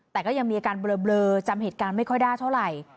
แต่ก็ยังมีอาการเบลอจำเหตุการณ์ไม่ค่อยได้เท่าไหร่